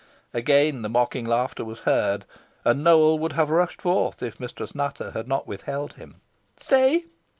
Again the mocking laughter was heard, and Nowell would have rushed forth, if Mistress Nutter had not withheld him. "Stay!"